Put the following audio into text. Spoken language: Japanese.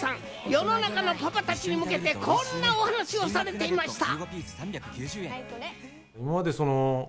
世の中のパパたちに向けて、こんなお話をされていました。